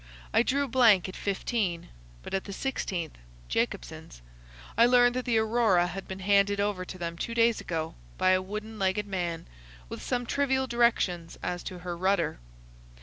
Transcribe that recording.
I drew blank at fifteen, but at the sixteenth—Jacobson's—I learned that the Aurora had been handed over to them two days ago by a wooden legged man, with some trivial directions as to her rudder.